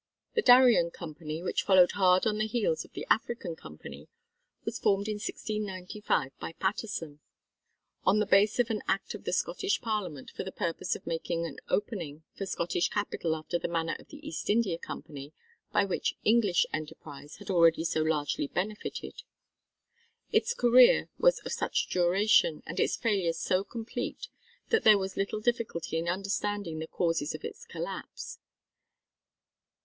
The Darien Company, which followed hard on the heels of The African Company, was formed in 1695, by Paterson; on the base of An Act of the Scottish Parliament for the purpose of making an opening for Scottish capital after the manner of the East India Company by which English enterprise had already so largely benefited. Its career was of such short duration and its failure so complete that there was little difficulty in understanding the causes of its collapse.